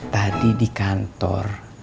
tadi di kantor